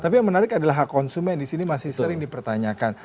tapi yang menarik adalah hak konsumen disini masih sering dipertanyakan